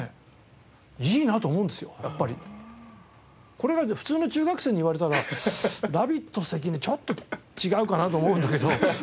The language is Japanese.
これが普通の中学生に言われたらラビット関根ちょっと違うかなと思うんだけど。